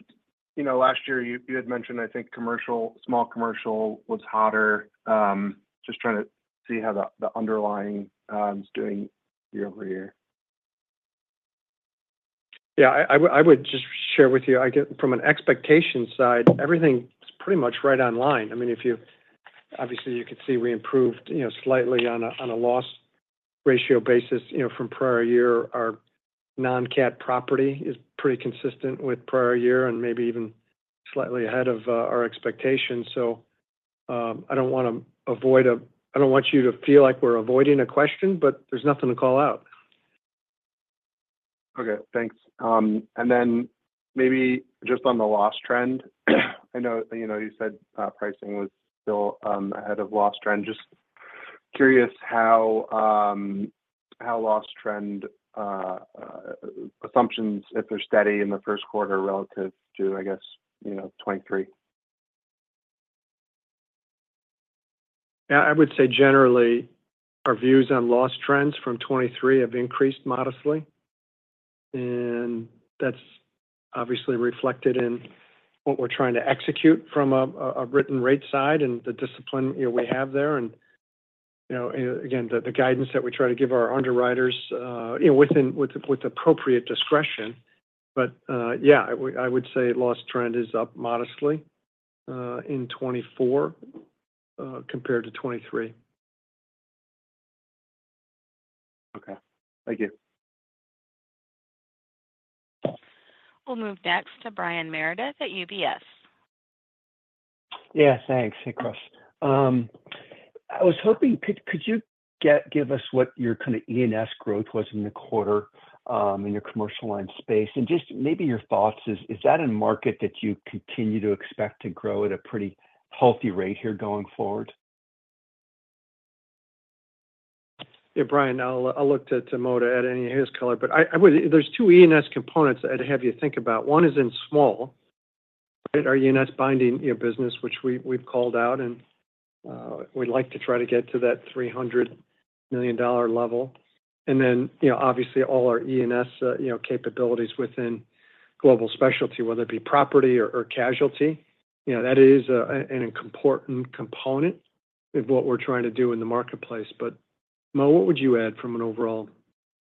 last year, you had mentioned, I think small commercial was hotter. Just trying to see how the underlying is doing year-over-year. Yeah, I would just share with you, I guess, from an expectation side, everything's pretty much right on line. I mean, obviously, you could see we improved slightly on a loss ratio basis from prior year. Our non-CAT property is pretty consistent with prior year and maybe even slightly ahead of our expectations. So I don't want you to feel like we're avoiding a question, but there's nothing to call out. Okay. Thanks. And then maybe just on the loss trend, I know you said pricing was still ahead of loss trend. Just curious how loss trend assumptions, if they're steady in the first quarter relative to, I guess, 2023? Yeah, I would say generally, our views on loss trends from 2023 have increased modestly. That's obviously reflected in what we're trying to execute from a written rate side and the discipline we have there. Again, the guidance that we try to give our underwriters with appropriate discretion. But yeah, I would say loss trend is up modestly in 2024 compared to 2023. Okay. Thank you. We'll move next to Brian Meredith at UBS. Yeah, thanks. Hey, Chris. I was hoping could you give us what your kind of E&S growth was in the quarter in your commercial lines space? And just maybe your thoughts, is that a market that you continue to expect to grow at a pretty healthy rate here going forward? Yeah, Brian, I'll look to Mo to add any his color. But there's two E&S components I'd have you think about. One is in small, right, our E&S binding business, which we've called out. And we'd like to try to get to that $300 million level. And then obviously, all our E&S capabilities within Global Specialty, whether it be property or casualty, that is an important component of what we're trying to do in the marketplace. But Mo, what would you add from an overall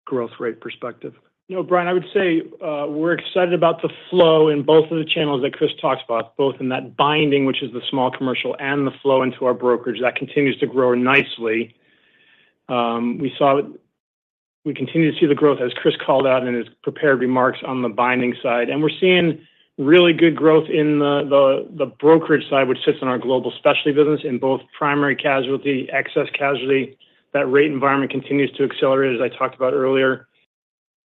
growth rate perspective? No, Brian, I would say we're excited about the flow in both of the channels that Chris talks about, both in that binding, which is the small commercial, and the flow into our brokerage that continues to grow nicely. We continue to see the growth, as Chris called out in his prepared remarks, on the binding side. We're seeing really good growth in the brokerage side, which sits in our Global Specialty business, in both primary casualty, excess casualty. That rate environment continues to accelerate, as I talked about earlier.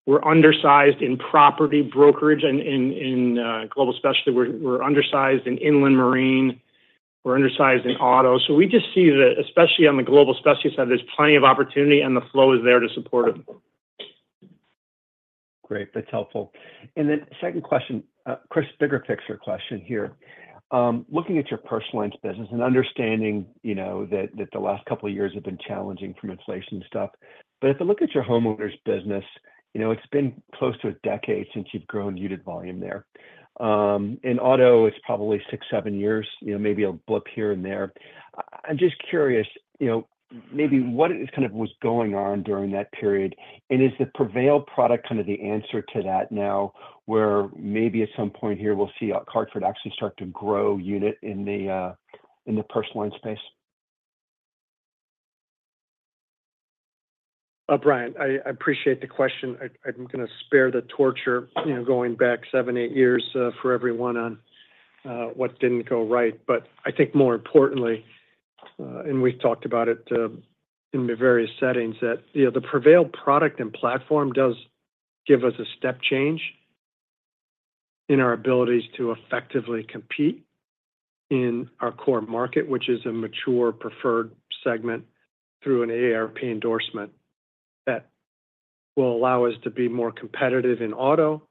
We're undersized in property brokerage and in Global Specialty. We're undersized in inland marine. We're undersized in auto. So we just see that, especially on the Global Specialty side, there's plenty of opportunity, and the flow is there to support it. Great. That's helpful. And then second question, Chris, bigger picture question here. Looking at your personal lines business and understanding that the last couple of years have been challenging from inflation and stuff, but if I look at your homeowners business, it's been close to a decade since you've grown unit volume there. In auto, it's probably 6, 7 years, maybe a blip here and there. I'm just curious maybe what kind of was going on during that period? And is the Prevail product kind of the answer to that now where maybe at some point here, we'll see Hartford actually start to grow unit in the personal line space? Brian, I appreciate the question. I'm going to spare the torture going back seven, eight years for everyone on what didn't go right. But I think more importantly, and we've talked about it in various settings, that the Prevail product and platform does give us a step change in our abilities to effectively compete in our core market, which is a mature preferred segment through an AARP endorsement that will allow us to be more competitive in auto,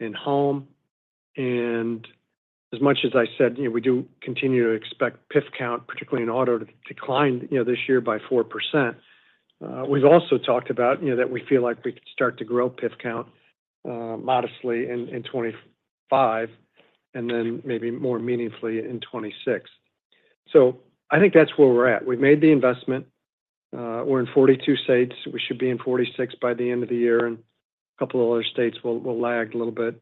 in home. And as much as I said, we do continue to expect PIF count, particularly in auto, to decline this year by 4%. We've also talked about that we feel like we could start to grow PIF count modestly in 2025 and then maybe more meaningfully in 2026. So I think that's where we're at. We've made the investment. We're in 42 states. We should be in 46 by the end of the year. A couple of other states will lag a little bit.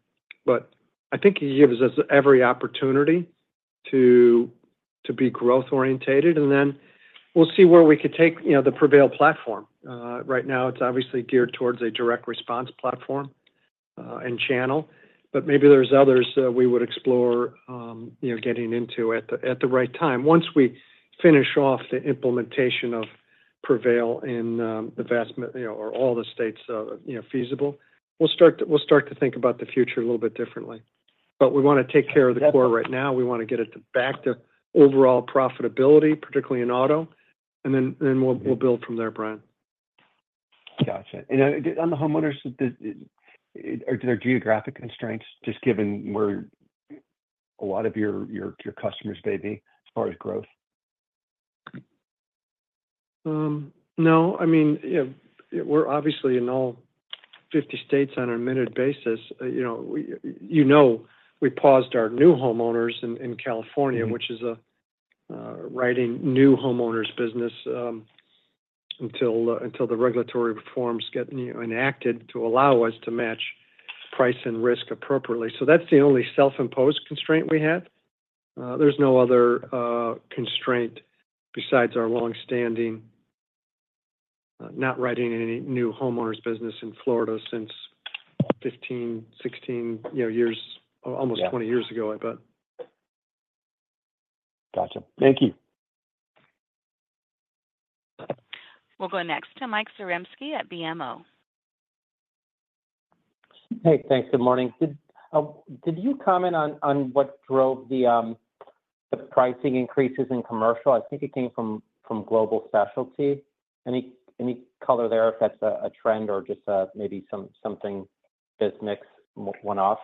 I think it gives us every opportunity to be growth-oriented. Then we'll see where we could take the Prevail platform. Right now, it's obviously geared towards a direct response platform and channel. Maybe there's others we would explore getting into at the right time. Once we finish off the implementation of Prevail in the vast or all the states feasible, we'll start to think about the future a little bit differently. We want to take care of the core right now. We want to get it back to overall profitability, particularly in auto. Then we'll build from there, Brian. Gotcha. On the homeowners, are there geographic constraints just given where a lot of your customers may be as far as growth? No. I mean, we're obviously in all 50 states on an admitted basis. You know we paused our new homeowners in California, which is a writing new homeowners business until the regulatory reforms get enacted to allow us to match price and risk appropriately. So that's the only self-imposed constraint we have. There's no other constraint besides our longstanding not writing any new homeowners business in Florida since 15, 16 years, almost 20 years ago, I bet. Gotcha. Thank you. We'll go next to Mike Zaremski at BMO. Hey, thanks. Good morning. Did you comment on what drove the pricing increases in commercial? I think it came from Global Specialty. Any color there if that's a trend or just maybe something just mixed one-off?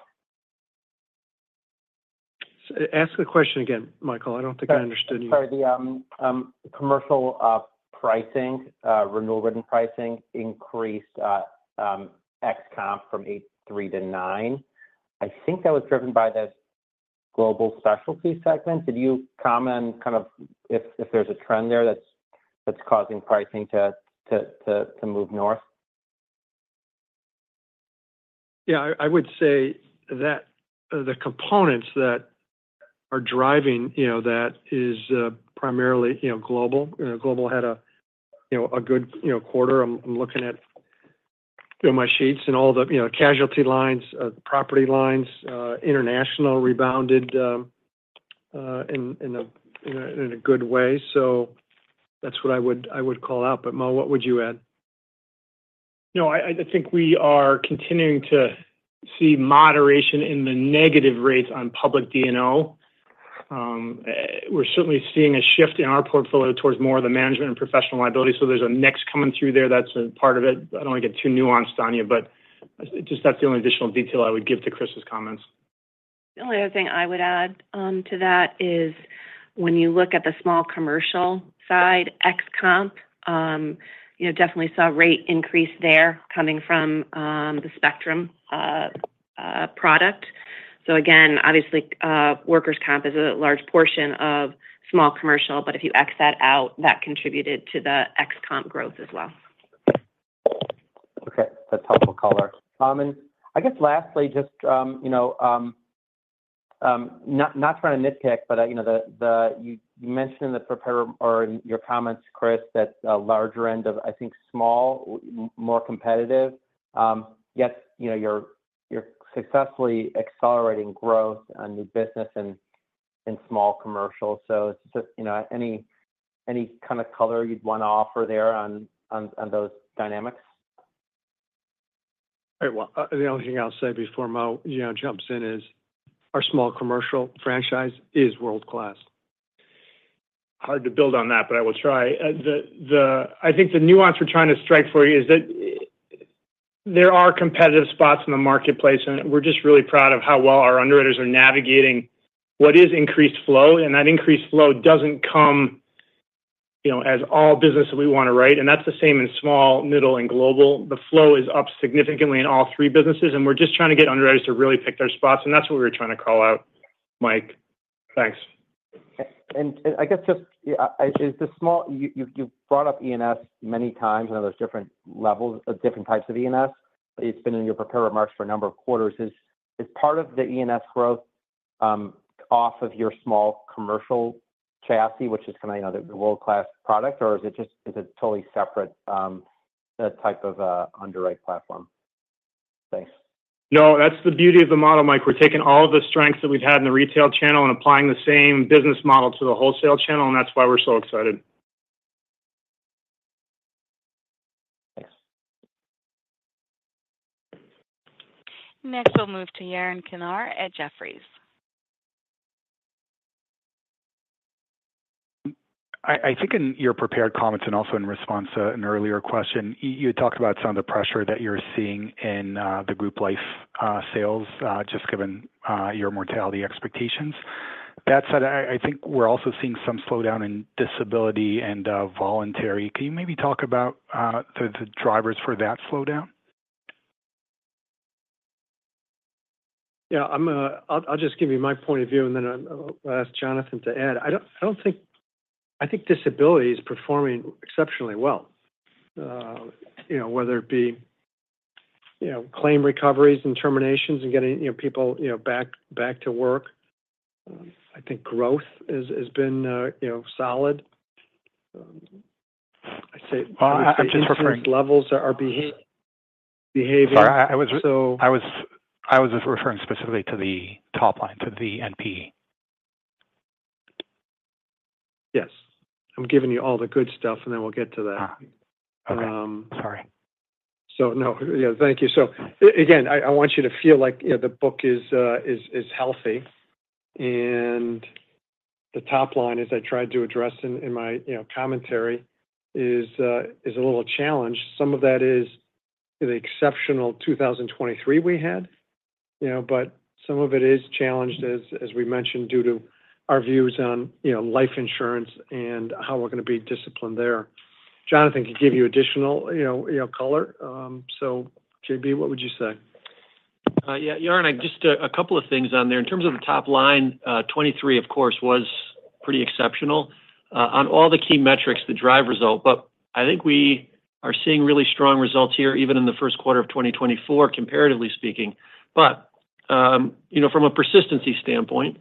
Ask the question again, Michael. I don't think I understood you. Sorry. The commercial pricing renewal written pricing increased ex-comp from 8.3-9. I think that was driven by the Global Specialty segment. Did you comment kind of if there's a trend there that's causing pricing to move north? Yeah, I would say that the components that are driving that is primarily global. Global had a good quarter. I'm looking at my sheets and all the casualty lines, property lines, international rebounded in a good way. So that's what I would call out. But Mo, what would you add? No, I think we are continuing to see moderation in the negative rates on public D&O. We're certainly seeing a shift in our portfolio towards more of the management and professional liability. So there's a mix coming through there that's a part of it. I don't want to get too nuanced, on you, but just that's the only additional detail I would give to Chris's comments. The only other thing I would add to that is when you look at the small commercial side, ex comp, definitely saw a rate increase there coming from the Spectrum product. So again, obviously, workers' comp is a large portion of small commercial. But if you ex that out, that contributed to the ex comp growth as well. Okay. That's helpful color. I guess lastly, just not trying to nitpick, but you mentioned in the prepare or in your comments, Chris, that larger end of, I think, small, more competitive, yet you're successfully accelerating growth on new business in small commercial. So it's just any kind of color you'd want to offer there on those dynamics? All right. Well, the only thing I'll say before Mo jumps in is our small commercial franchise is world-class. Hard to build on that, but I will try. I think the nuance we're trying to strike for you is that there are competitive spots in the marketplace. And we're just really proud of how well our underwriters are navigating what is increased flow. And that increased flow doesn't come as all business that we want to write. And that's the same in small, middle, and global. The flow is up significantly in all three businesses. And we're just trying to get underwriters to really pick their spots. And that's what we were trying to call out, Mike. Thanks. And I guess just, is the small you've brought up E&S many times and there's different levels, different types of E&S, but it's been in your prepared remarks for a number of quarters. Is part of the E&S growth off of your small commercial chassis, which is kind of the world-class product, or is it just, is it totally separate type of underwriting platform? Thanks. No, that's the beauty of the model, Mike. We're taking all of the strengths that we've had in the retail channel and applying the same business model to the wholesale channel. And that's why we're so excited. Thanks. Next, we'll move to Yaron Kinar at Jefferies. I think in your prepared comments and also in response to an earlier question, you had talked about some of the pressure that you're seeing in the group life sales just given your mortality expectations. That said, I think we're also seeing some slowdown in disability and voluntary. Can you maybe talk about the drivers for that slowdown? Yeah, I'll just give you my point of view, and then I'll ask Jonathan to add. I think disability is performing exceptionally well, whether it be claim recoveries and terminations and getting people back to work. I think growth has been solid. I'd say maintenance levels are behaving. Sorry, I was referring specifically to the top line, to the NP. Yes. I'm giving you all the good stuff, and then we'll get to that. Okay. Sorry. So, no. Yeah, thank you. So again, I want you to feel like the book is healthy. And the top line, as I tried to address in my commentary, is a little challenged. Some of that is the exceptional 2023 we had. But some of it is challenged, as we mentioned, due to our views on life insurance and how we're going to be disciplined there. Jonathan could give you additional color. So JB, what would you say? Yeah, Yaron, just a couple of things on there. In terms of the top line, 2023, of course, was pretty exceptional on all the key metrics, the drive result. But I think we are seeing really strong results here, even in the first quarter of 2024, comparatively speaking. But from a persistency standpoint,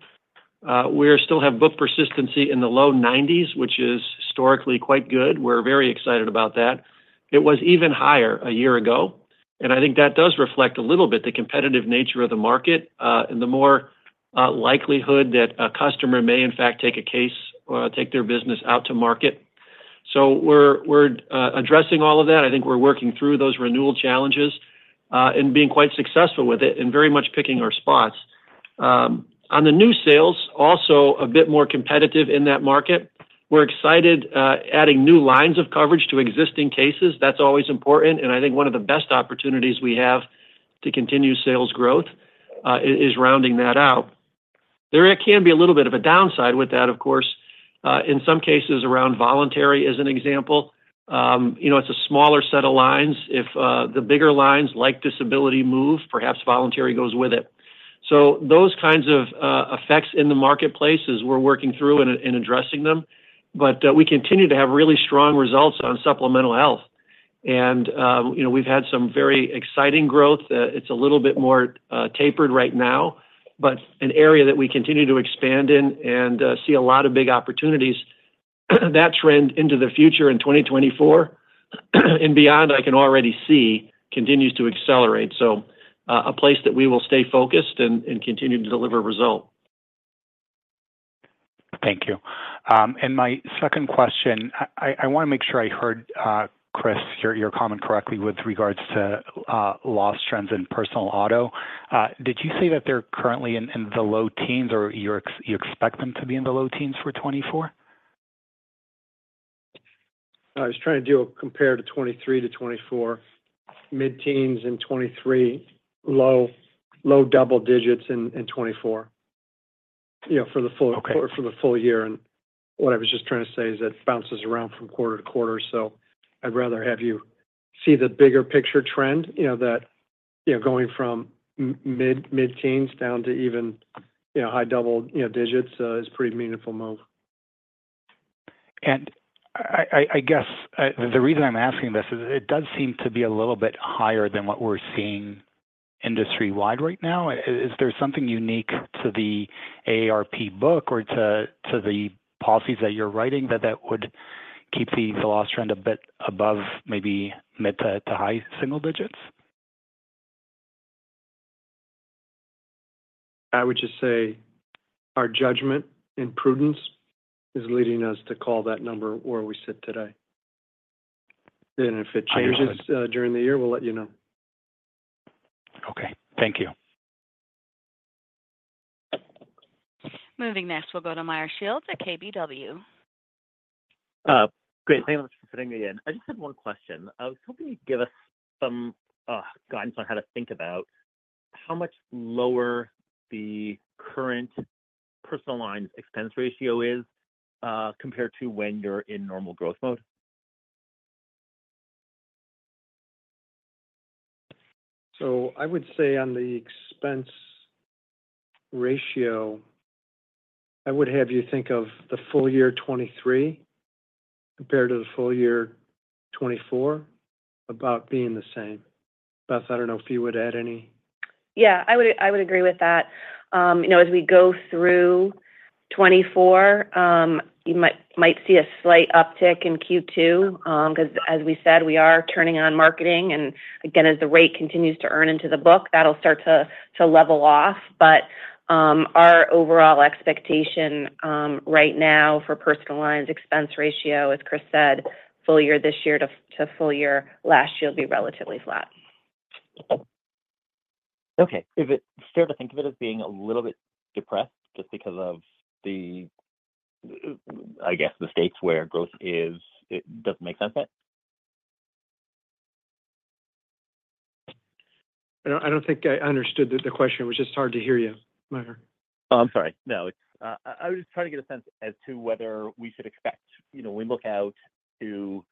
we still have book persistency in the low 90s, which is historically quite good. We're very excited about that. It was even higher a year ago. And I think that does reflect a little bit the competitive nature of the market and the more likelihood that a customer may, in fact, take a case or take their business out to market. So we're addressing all of that. I think we're working through those renewal challenges and being quite successful with it and very much picking our spots. On the new sales, also a bit more competitive in that market. We're excited adding new lines of coverage to existing cases. That's always important. And I think one of the best opportunities we have to continue sales growth is rounding that out. There can be a little bit of a downside with that, of course, in some cases around voluntary as an example. It's a smaller set of lines. If the bigger lines, like disability, move, perhaps voluntary goes with it. So those kinds of effects in the marketplace is we're working through and addressing them. But we continue to have really strong results on supplemental health. And we've had some very exciting growth. It's a little bit more tapered right now, but an area that we continue to expand in and see a lot of big opportunities. That trend into the future in 2024 and beyond I can already see continues to accelerate, so a place that we will stay focused and continue to deliver results. Thank you. My second question, I want to make sure I heard Chris, your comment correctly with regards to loss trends in personal auto. Did you say that they're currently in the low teens, or you expect them to be in the low teens for 2024? I was trying to do a compare to 2023 to 2024, mid-teens in 2023, low double digits in 2024 for the full year. And what I was just trying to say is that bounces around from quarter to quarter. So I'd rather have you see the bigger picture trend that going from mid-teens down to even high double digits is a pretty meaningful move. I guess the reason I'm asking this is it does seem to be a little bit higher than what we're seeing industry-wide right now. Is there something unique to the AARP book or to the policies that you're writing that would keep the loss trend a bit above maybe mid to high single digits? I would just say our judgment and prudence is leading us to call that number where we sit today. If it changes during the year, we'll let you know. Okay. Thank you. Moving next, we'll go to Meyer Shields at KBW. Great. Thanks so much for putting me in. I just had one question. I was hoping you'd give us some guidance on how to think about how much lower the current personal lines expense ratio is compared to when you're in normal growth mode? I would say on the expense ratio, I would have you think of the full year 2023 compared to the full year 2024 about being the same. Beth, I don't know if you would add any. Yeah, I would agree with that. As we go through 2024, you might see a slight uptick in Q2 because, as we said, we are turning on marketing. And again, as the rate continues to earn into the book, that'll start to level off. But our overall expectation right now for personal lines expense ratio is, Chris said, full year this year to full year last year will be relatively flat. Okay. Is it fair to think of it as being a little bit depressed just because of, I guess, the states where growth is? Does it make sense yet? I don't think I understood the question. It was just hard to hear you, Meyer. Oh, I'm sorry. No, I was just trying to get a sense as to whether we should expect when we look out to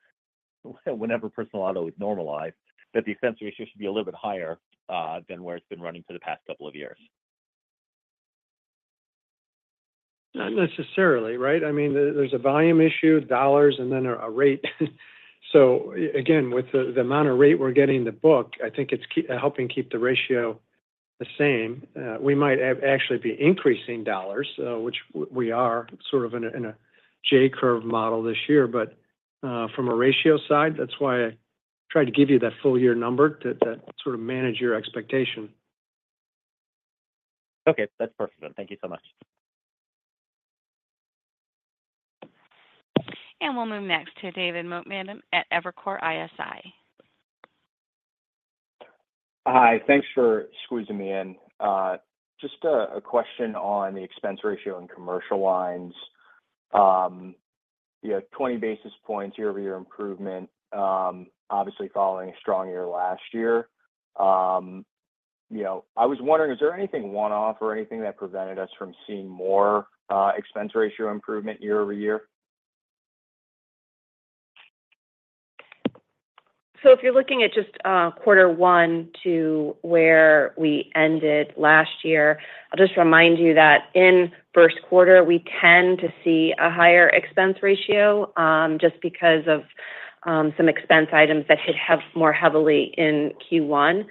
whenever personal auto is normalized, that the expense ratio should be a little bit higher than where it's been running for the past couple of years. Not necessarily, right? I mean, there's a volume issue, dollars, and then a rate. So again, with the amount of rate we're getting in the book, I think it's helping keep the ratio the same. We might actually be increasing dollars, which we are sort of in a J-curve model this year. But from a ratio side, that's why I tried to give you that full year number to sort of manage your expectation. Okay. That's perfect. Thank you so much. We'll move next to David Motemaden at Evercore ISI. Hi. Thanks for squeezing me in. Just a question on the expense ratio in commercial lines, 20 basis points year-over-year improvement, obviously following a strong year last year. I was wondering, is there anything one-off or anything that prevented us from seeing more expense ratio improvement year-over-year? So if you're looking at just quarter one to where we ended last year, I'll just remind you that in first quarter, we tend to see a higher expense ratio just because of some expense items that hit more heavily in Q1.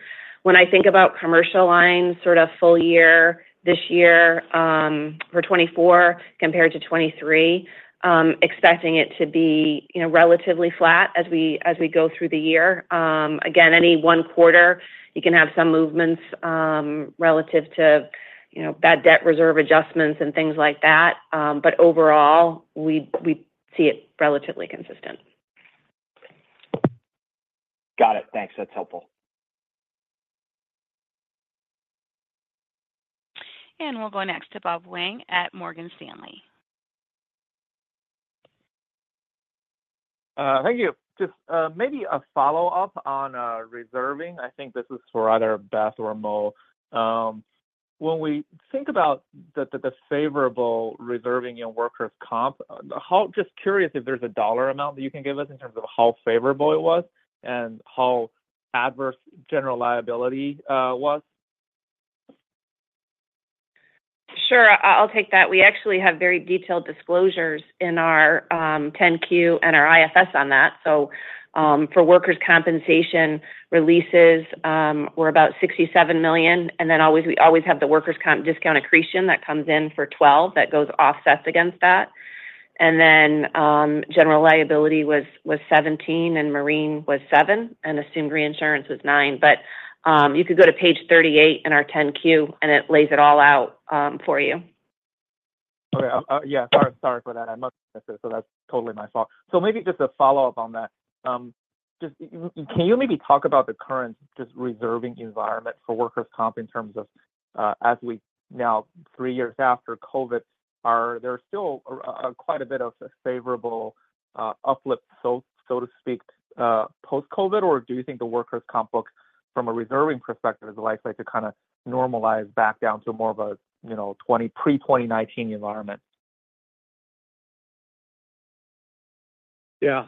When I think about commercial lines, sort of full year this year for 2024 compared to 2023, expecting it to be relatively flat as we go through the year. Again, any one quarter, you can have some movements relative to bad debt reserve adjustments and things like that. But overall, we see it relatively consistent. Got it. Thanks. That's helpful. We'll go next to Bob Huang at Morgan Stanley. Thank you. Just maybe a follow-up on reserving. I think this is for either Beth or Mo. When we think about the favorable reserving in workers' comp, just curious if there's a dollar amount that you can give us in terms of how favorable it was and how adverse general liability was? Sure. I'll take that. We actually have very detailed disclosures in our 10-Q and our IFS on that. So for workers' compensation releases, we're about $67 million. And then we always have the workers' comp discount accretion that comes in for $12 million that goes offsets against that. And then general liability was $17 million, and marine was $7 million, and assumed reinsurance was $9 million. But you could go to page 38 in our 10-Q, and it lays it all out for you. Okay. Yeah, sorry for that. I must have missed it. So that's totally my fault. So maybe just a follow-up on that. Can you maybe talk about the current just reserving environment for workers' comp in terms of as we now, three years after COVID, there's still quite a bit of a favorable uplift, so to speak, post-COVID? Or do you think the workers' comp book, from a reserving perspective, is likely to kind of normalize back down to more of a pre-2019 environment? Yeah.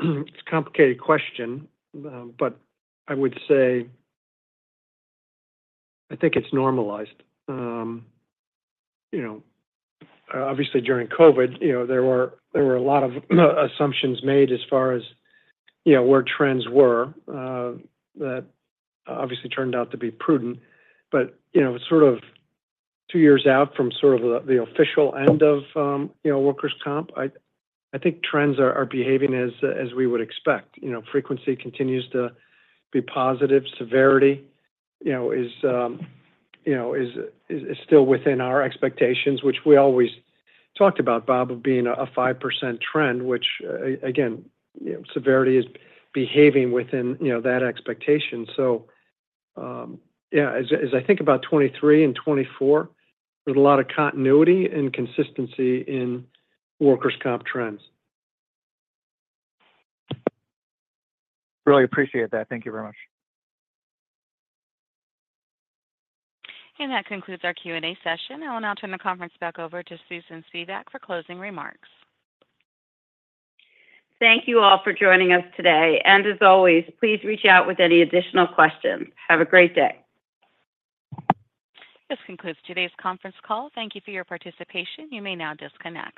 It's a complicated question. But I would say I think it's normalized. Obviously, during COVID, there were a lot of assumptions made as far as where trends were that obviously turned out to be prudent. But sort of two years out from sort of the official end of workers' comp, I think trends are behaving as we would expect. Frequency continues to be positive. Severity is still within our expectations, which we always talked about, Bob, of being a 5% trend, which, again, severity is behaving within that expectation. So yeah, as I think about 2023 and 2024, there's a lot of continuity and consistency in workers' comp trends. Really appreciate that. Thank you very much. That concludes our Q&A session. I will now turn the conference back over to Susan Spivak for closing remarks. Thank you all for joining us today. As always, please reach out with any additional questions. Have a great day. This concludes today's conference call. Thank you for your participation. You may now disconnect.